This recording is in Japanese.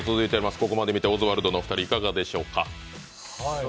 ここまで見て、オズワルドのお二人いかがでしょうか？